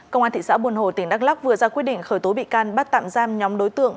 công an thị xã buồn hồ tỉnh đắk lắc vừa ra quyết định khởi tố bị can bắt tạm giam nhóm đối tượng